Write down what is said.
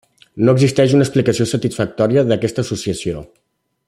No existeix una explicació satisfactòria d'aquesta associació.